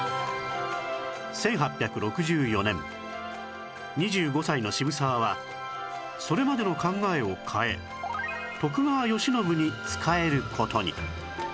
１８６４年２５歳の渋沢はそれまでの考えを変え徳川慶喜に仕える事に